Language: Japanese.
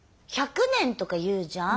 １００年とか言うじゃん？